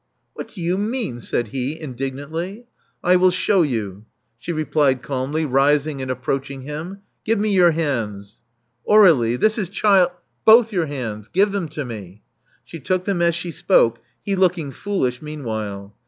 What do you mean?" said he, indignantly. I will shew you, she replied calmly, rising and approaching him. Give me your hands." *'Aur61ie: this is chil Both your hands. Give them to me." vShe took them as she spoke, he looking foolish meanwhile.